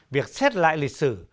việc xét lại lịch sử